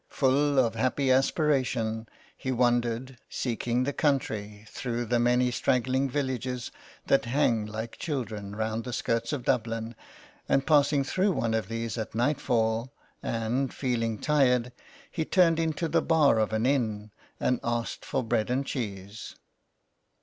Full of happy aspiration he wandered, seeking the country through 266 THE CLERK'S QUEST. the many straggling villages that hang like children round the skirts of Dublin and passing through one of these at night fall, and, feeling tired, he turned into the bar of an inn, and asked for bread and cheese.